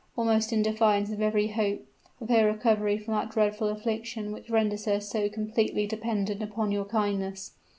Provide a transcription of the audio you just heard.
almost in defiance of every hope! of her recovery from that dreadful affliction which renders her so completely dependent upon your kindness.'